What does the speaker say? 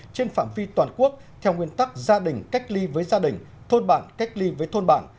trên phạm vi toàn quốc theo nguyên tắc gia đình cách ly với gia đình thôn bản cách ly với thôn bản